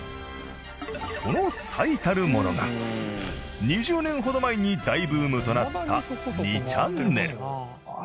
その最たるものが２０年ほど前に大ブームとなった「２ちゃんねる」。